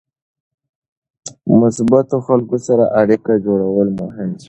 مثبتو خلکو سره اړیکه جوړول مهم دي.